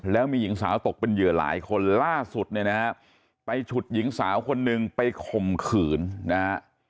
แล้วมีหญิงสาวตกเป็นเหยื่อหลายคนล่าสุดเนี่ยนะฮะไปฉุดหญิงสาวคนหนึ่งไปข่มขืนนะฮะ